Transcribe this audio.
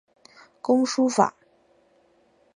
工书法。